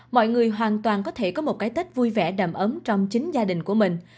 mọi người hoàn toàn có thể có một cái tết vui vẻ đầm ấm trong chính gia đình của mình